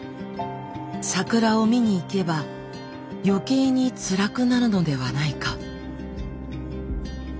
桜を見に行けば余計につらくなるのではないか。